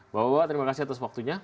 bapak bapak terima kasih atas waktunya